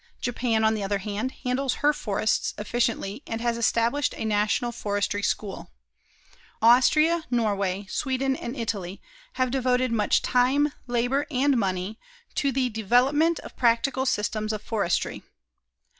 Japan, on the other hand, handles her forests efficiently and has established a national forestry school. Austria, Norway, Sweden and Italy have devoted much time, labor and money to the development of practical systems of forestry.